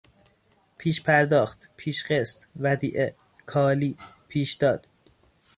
پیش پرداخت، پیش قسط، ودیعه، کالی، پیشداد